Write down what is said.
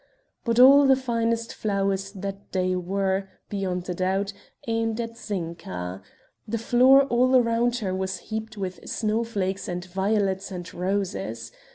But all the finest flowers that day were, beyond a doubt, aimed at Zinka. The floor all round her was heaped with snowflakes, and violets, and roses.